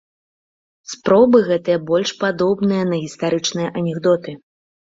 Спробы гэтыя больш падобныя на гістарычныя анекдоты.